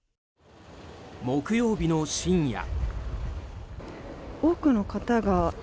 木曜日の深夜。